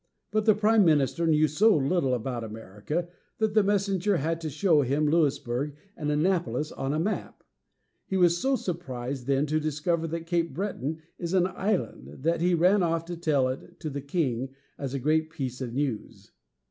But the prime minister knew so little about America that the messenger had to show him Louisburg and Annapolis on a map. He was so surprised then to discover that Cape Breton is an island, that he ran off to tell it to the king as a great piece of news.